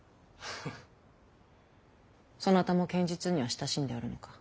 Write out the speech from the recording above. そなたも剣術には親しんでおるのか？